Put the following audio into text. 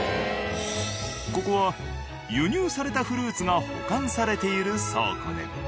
ここは輸入されたフルーツが保管されている倉庫で。